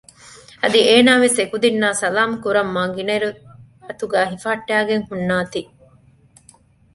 އަދި އޭނާވެސް އެކުދިންނާ ސަލާމް ކުރަން މާ ގިނައިރު އަތުގައި ހިފަހައްޓައިގެން ހުންނާތީ